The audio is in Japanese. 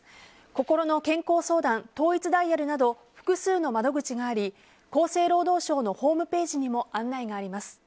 こころの健康相談統一ダイヤルなど複数の窓口があり厚生労働省のホームページにも案内があります。